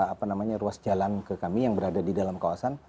apa namanya ruas jalan ke kami yang berada di dalam kawasan